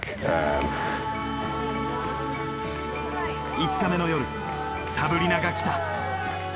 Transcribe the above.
５日目の夜サブリナが来た。